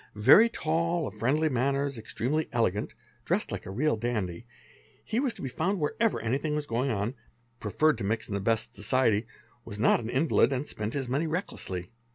Very tall, of friendly manners, ex tremely elegant, dressed like a real dandy, he was to be found wherever tr 5 tything was going on, preferred to mix in the best society, was not an lid, and spent his money recklessly.